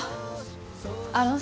あのさ。